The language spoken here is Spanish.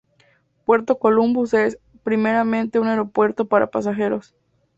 Puerto Columbus es, primariamente, un aeropuerto para pasajeros.